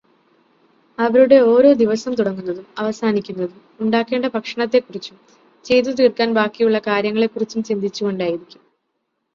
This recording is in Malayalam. അവരുടെ ഓരോ ദിവസം തുടങ്ങുന്നതും അവസാനിക്കുന്നതും ഉണ്ടാക്കേണ്ട ഭക്ഷണത്തെക്കുറിച്ചും ചെയ്തു തീർക്കാൻ ബാക്കിയുള്ള കാര്യങ്ങളെക്കുറിച്ചും ചിന്തിച്ചുകൊണ്ടായിരിക്കും.